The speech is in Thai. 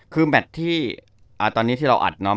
คือแมทที่ตอนนี้ที่เราอัดน้อง